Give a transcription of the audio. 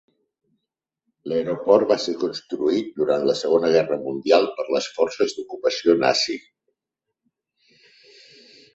L'aeroport va ser construït durant la Segona Guerra Mundial per les forces d'ocupació nazi.